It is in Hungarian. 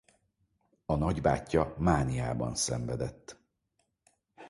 A nagybátyja mániában szenvedett.